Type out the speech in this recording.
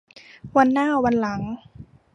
วันหน้าวันหลัง